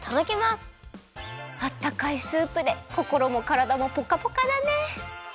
あったかいスープでこころもからだもポカポカだね！